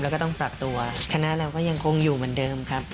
แล้วก็ต้องปรับตัวคณะเราก็ยังคงอยู่เหมือนเดิมครับ